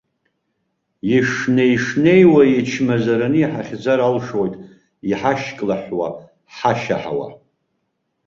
Ишнеишнеиуа ичмазараны иҳахьӡар алшоит, иҳашьклаҳәуа, ҳашьаҳауа.